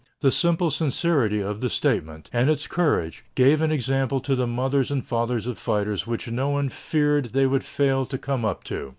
The simple sincerity of this statement, and its courage, gave an example to the mothers and fathers of fighters which no one feared they would fail to come up to.